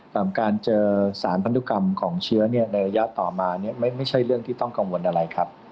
การเจอสารพันธุกรรมของเชื้อในระยะต่อมาไม่ใช่เรื่องที่ต้องกังวลอะไรครับ